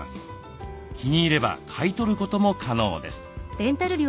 気に入れば買い取ることも可能です。